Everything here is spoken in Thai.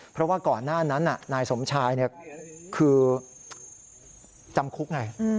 เพราะว่าก่อนหน้านั้นนายสมชายคือจำคุกไง